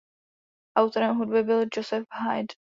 Autorem hudby byl Joseph Haydn.